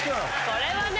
これはね。